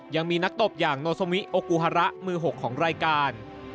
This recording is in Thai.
ยังมีนักตบอย่างโนโซมิโอกูฮาระมือ๖ของรายการ